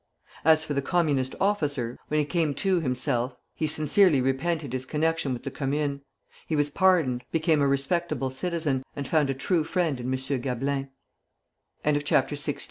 As for the Communist officer, when he came to himself he sincerely repented his connection with the Commune. He was pardoned, became a respectable citizen, and found a true friend in M. Gablin. CHAPTER XVII.